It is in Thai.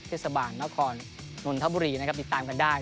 เทศบาลนครนนทบุรีนะครับติดตามกันได้